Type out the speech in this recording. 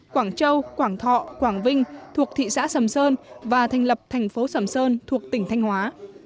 quảng châu quảng thọ quảng vinh thuộc thị xã sầm sơn và thành lập thành phố sầm sơn thuộc tỉnh thanh hóa